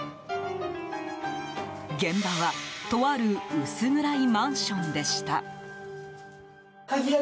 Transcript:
現場はとある薄暗いマンションでした。